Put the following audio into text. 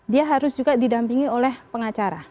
dia harus juga didampingi oleh pengacara